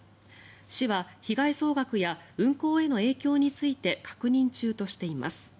市は、被害総額や運行への影響について確認中としています。